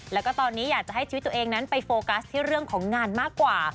แล้วก็ตอนนี้อยากจะให้ชีวิตตัวเองนั้นไปโฟกัสที่เรื่องของงานมากกว่า